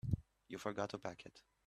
You forgot to pack it.